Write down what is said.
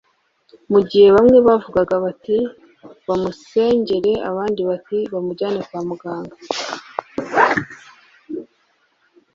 Mu gihe bamwe bavugaga bati bamusengere abandi bati bamujyane kwa muganga